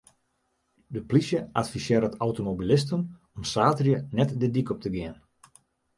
De plysje advisearret automobilisten om saterdei net de dyk op te gean.